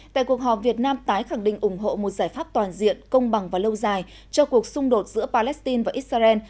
tại cuộc họp việt nam tái khẳng định ủng hộ một giải pháp toàn diện công bằng và lâu dài cho cuộc xung đột giữa palestine và israel